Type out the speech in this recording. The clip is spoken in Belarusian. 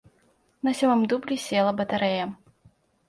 На сёмым дублі села батарэя.